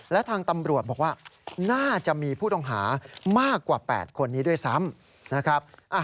และทางตำรวจบอกว่าน่าจะมีผู้ต้องหามากกว่า๘คนนี้ด้วยซ้ำนะครับ